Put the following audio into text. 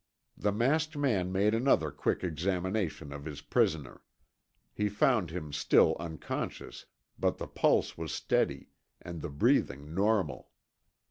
The masked man made another quick examination of his prisoner. He found him still unconscious, but the pulse was steady, and the breathing normal.